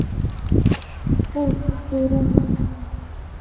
🚒 اور ژغورنه